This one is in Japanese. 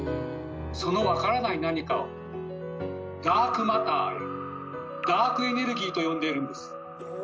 その分からない「何か」を「ダークマター」や「ダークエネルギー」と呼んでいるんです。